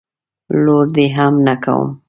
لور دي هم نه کوم.